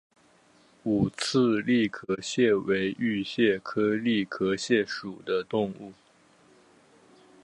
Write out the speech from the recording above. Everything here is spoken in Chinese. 五刺栗壳蟹为玉蟹科栗壳蟹属的动物。